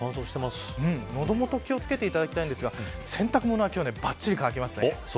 喉元お気を付けていただきたいですが洗濯物はばっちり乾きます。